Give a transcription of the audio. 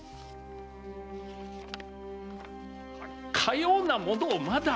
かようなものをまだ！